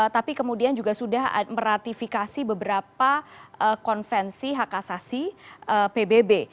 tapi kemudian juga sudah meratifikasi beberapa konvensi hak asasi pbb